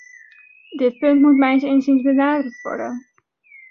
Dit punt moet mijns inziens benadrukt worden.